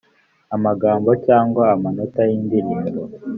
amagambo cyangwa amanota y Indirimbo